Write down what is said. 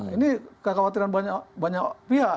ini kekhawatiran banyak pihak